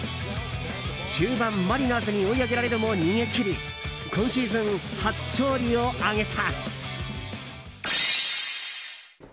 終盤、マリナーズに追い上げられるも逃げ切り今シーズン初勝利を挙げた。